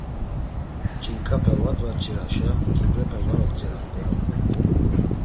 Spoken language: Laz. Ç̌inǩape va dvaç̌iraşa ǩibrepe var otziramt̆ey.